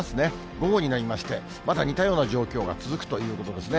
午後になりまして、まだ似たような状況が続くということですね。